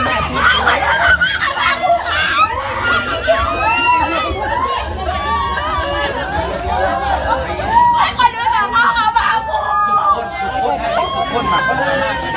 อ้าวอ้าวอ้าวอ้าวอ้าวอ้าวอ้าวอ้าวอ้าวอ้าวอ้าวอ้าวอ้าว